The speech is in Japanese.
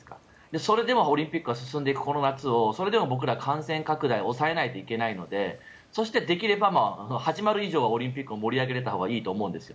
それでもオリンピックは進んでいくこの夏をそれでも僕らは感染拡大を抑えなきゃいけないのでそして、できれば始まる以上はオリンピックを盛り上げれたほうがいいと思うんですよ。